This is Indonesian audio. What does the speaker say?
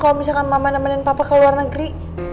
kalau misalkan mama nemenin papa ke luar negeri